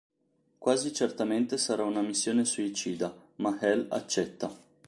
Quasi certamente sarà una missione suicida, ma Hel accetta.